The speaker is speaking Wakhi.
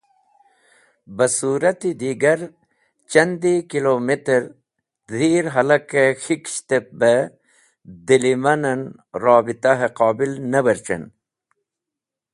Basurati Digar chandi Kilometer dheer halake K̃hikisht ep be dilimanen rabiitahe qobil ne werc̃hen.